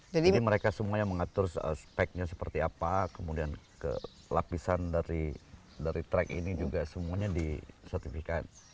jadi mereka semuanya mengatur speknya seperti apa kemudian lapisan dari track ini juga semuanya disertifikan